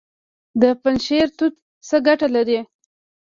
د پنجشیر توت څه ګټه لري؟